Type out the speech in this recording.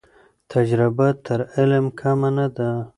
تجربه تر علم کمه نه ده.